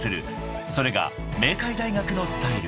［それが明海大学のスタイル］